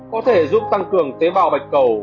có thể giúp tăng cường tế bào bạch cầu